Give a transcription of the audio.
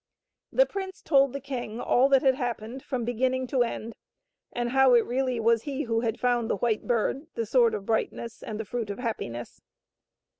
The prince told the king all that had happened from beginning to end, and how it really was he who had found the White Bird, the Sword of Brightness, and the Fruit of Happiness.